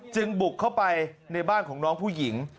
บุกเข้าไปในบ้านของน้องผู้หญิง